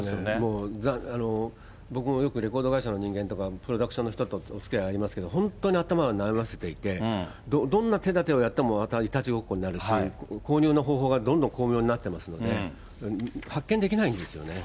もう、僕もよくレコード会社の人間とか、プロダクションの人とか、おつきあいありますけど、本当に頭を悩ませていて、どんな手だてをやってもまたいたちごっこになるし、購入の方法がどんどん巧妙になってますので、発見できないんですよね。